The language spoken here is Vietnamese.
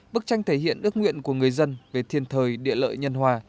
bức tranh thể hiện ước nguyện của người dân về thiên thời địa lợi nhân hòa